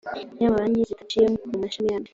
y amabanki zidaciye mu mashami yabyo